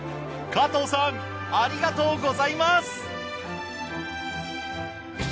加藤さんありがとうございます。